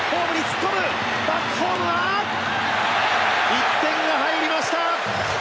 １点が入りました！